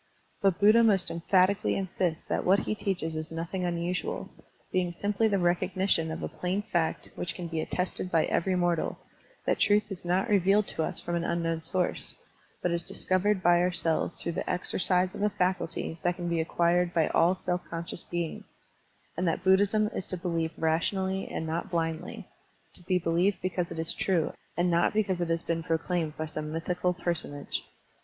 But Buddha most emphatically insists that what he teaches is nothing unusual, being simply the recognition of a plain fact which can be attested by every mortal, that truth is not revealed to us from an unknown source, but is discovered by ourselves through the exercise of a faculty that can be acquired by all self conscious beings, and that Buddhism is to be believed rationally and not blindly, to be believed because it is true and not because it has been proclaimed by some mythical personage.